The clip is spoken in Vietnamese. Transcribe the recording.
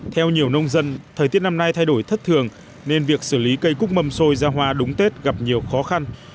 theo nhiều nông dân thời tiết năm nay thay đổi thất thường nên việc xử lý cây cúc mâm xôi ra hoa đúng tết gặp nhiều khó khăn